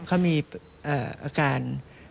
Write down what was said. เขามีอาการ